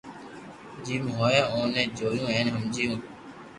جيم ھوئو اوني جويو ھين ھمجيو